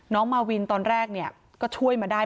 น้องมาวินตอนแรกก็ช่วยมาได้